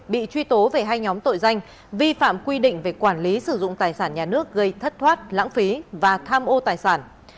bị truy tố về hai nhóm tội danh vi phạm quy định về quản lý sử dụng tài sản nhà nước gây thất thoát lãng phí và tham ô tài sản